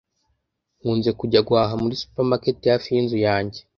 Nkunze kujya guhaha muri supermarket hafi yinzu yanjye.